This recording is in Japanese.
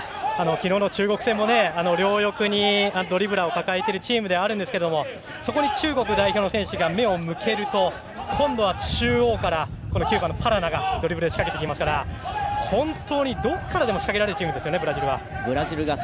昨日の中国戦も両翼にドリブラーを抱えているチームですがそこに中国代表の選手が目を向けると今度は中央から９番のパラナがドリブルで仕掛けてくるのでどこからでも本当に仕掛けられるチームですね。